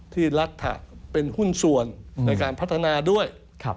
ที่ลัดถะเป็นหุ้นส่วนในการพัฒนาด้วย